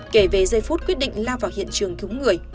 kể về giây phút quyết định lao vào hiện trường cứu người